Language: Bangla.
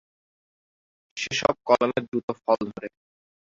সেসব কলমে দ্রুত ফল ধরে।